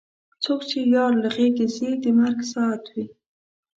څوک چې یار له غېږې ځي د مرګ ساعت وي.